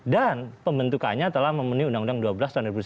dan pembentukannya telah memenuhi undang undang dua belas tahun dua ribu sebelas